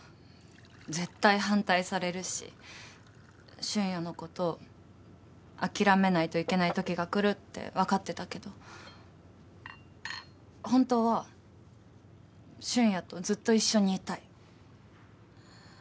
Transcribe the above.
絶対反対されるし俊也のこと諦めないといけないときが来るって分かってたけど本当は俊也とずっと一緒にいたい。